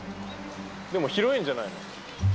でも拾えんじゃないの？